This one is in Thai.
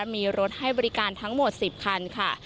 มีรถให้บริการทั้งหมด๑๐คันค่ะ